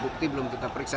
bukti belum kita periksa